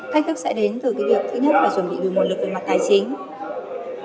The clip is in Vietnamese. thách thức sẽ đến từ việc thứ nhất là chuẩn bị nguồn lực về mặt tài chính